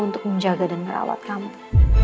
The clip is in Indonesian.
untuk menjaga dan merawat kamu